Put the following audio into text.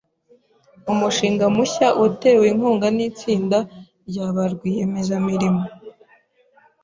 Umushinga mushya watewe inkunga nitsinda rya ba rwiyemezamirimo.